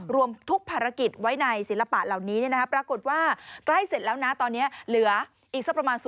รวมทุกภารกิจไว้ในศิลปะเหล่านี้ปรากฏว่าใกล้เสร็จแล้วนะตอนนี้เหลืออีกสักประมาณ